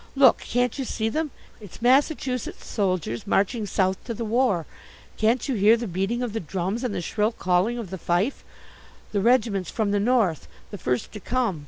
Look, can't you see them? It's Massachusetts soldiers marching South to the war can't you hear the beating of the drums and the shrill calling of the fife the regiments from the North, the first to come.